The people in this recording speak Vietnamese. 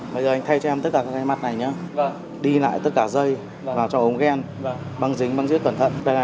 bây giờ anh thay cho em tất cả cái mặt này nhé đi lại tất cả dây vào cho ống gen băng dính băng dứt cẩn thận